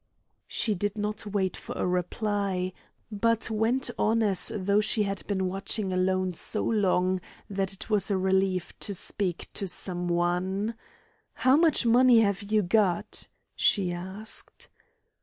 She did not wait for a reply, but went on as though she had been watching alone so long that it was a relief to speak to some one. "How much money have you got?" she asked.